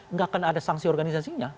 nggak akan ada sanksi organisasinya